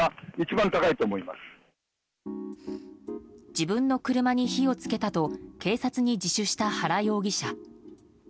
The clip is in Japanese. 自分の車に火を付けたと警察に自首した原容疑者。